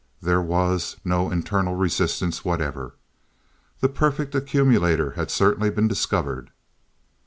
There was no internal resistance whatever. The perfect accumulator had certainly been discovered.